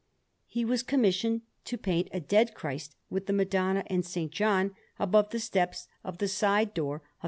He was commissioned to paint a Dead Christ, with the Madonna and S. John, above the steps of the side door of S.